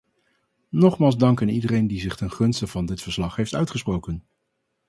Nogmaals dank aan iedereen die zich ten gunste van dit verslag heeft uitgesproken.